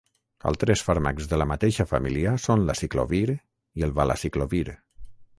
Altres fàrmacs de la mateixa família són l'aciclovir i el valaciclovir.